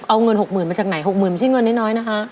เอาเงิน๖๐๐๐มาจากไหน๖๐๐๐ไม่ใช่เงินน้อยนะคะ